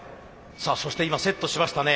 そして今セットしましたね。